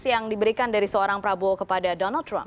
yang diberikan dari seorang prabowo kepada donald trump